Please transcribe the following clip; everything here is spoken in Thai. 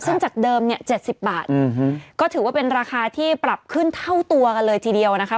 ซึ่งจากเดิมเนี่ย๗๐บาทก็ถือว่าเป็นราคาที่ปรับขึ้นเท่าตัวกันเลยทีเดียวนะคะ